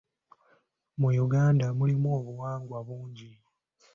Mu Uganda mulimu obuwangwa bungi.